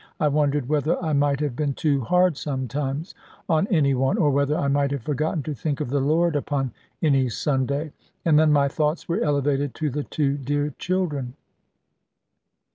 I wondered whether I might have been too hard sometimes on any one, or whether I might have forgotten to think of the Lord, upon any Sunday. And then my thoughts were elevated to the two dear children.